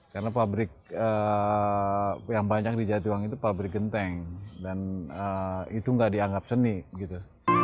karena pabrik yang banyak di jatibangi itu pabrik genteng dan itu gak dianggap seni gitu